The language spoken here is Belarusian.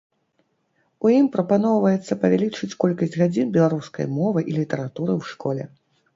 У ім прапаноўваецца павялічыць колькасць гадзін беларускай мовы і літаратуры ў школе.